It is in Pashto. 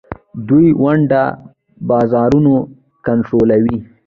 دوی د ونډو بازارونه کنټرولوي.